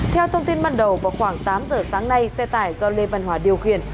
theo thông tin ban đầu vào khoảng tám giờ sáng nay xe tải do lê văn hòa điều khiển